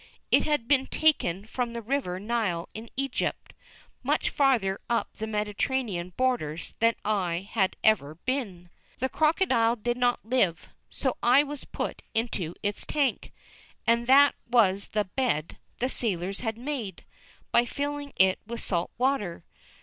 It had been taken from the river Nile in Egypt, much farther up the Mediterranean borders than I had ever been. The crocodile did not live, so I was put into its tank, and that was the "bed" the sailors had made, by filling it with salt water.